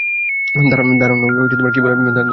দাঁড়ান, কী বললেন এটা?